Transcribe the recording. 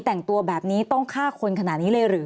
แต่งตัวแบบนี้ต้องฆ่าคนขนาดนี้เลยหรือ